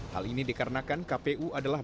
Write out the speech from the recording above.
hal ini dikarenakan kpu adalah